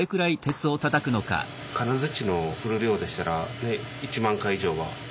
金づちの振る量でしたら１万回以上は。